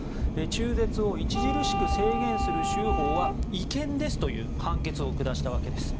中絶を著しく制限する州法は違憲ですという判決を下したわけです。